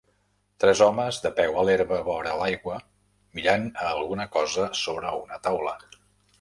Tres homes de peu a l'herba vora l'aigua mirant a alguna cosa sobre una taula